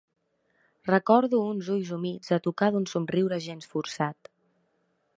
Recordo uns ulls humits a tocar d'un somriure gens forçat.